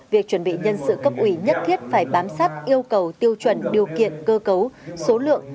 việc chuẩn bị nhân sự cấp ủy nhất thiết phải bám sát yêu cầu tiêu chuẩn điều kiện cơ cấu số lượng